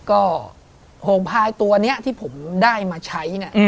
ก็โหงพลายตัวนี้ที่ผมได้มาใช้